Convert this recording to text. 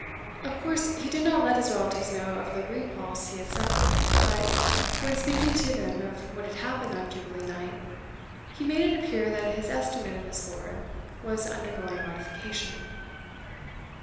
Of course he did not let his relatives know of the repulse he had suffered, but, when speaking to them of what had happened on Jubilee night, he made it appear that his estimate of Miss. Lord was undergoing modification.